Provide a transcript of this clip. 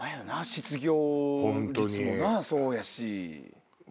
失業率もそうやし。